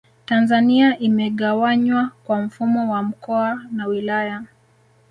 Tanzania imegawanywa kwa mfumo wa mkoa na wilaya